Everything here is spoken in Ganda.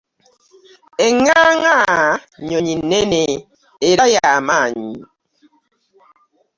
Enganga nyonnyi nenne era y'amaanyi .